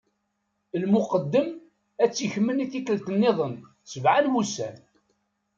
Lmuqeddem ad t-ikmen i tikkelt-nniḍen, sebɛa n wussan.